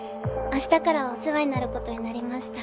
明日からお世話になる事になりました。